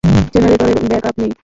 জেনারেটরের ব্যাকআপ নেই?